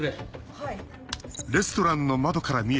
はい。